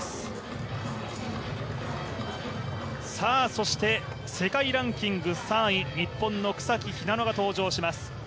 そして世界ランキング３位日本の草木ひなのが登場します。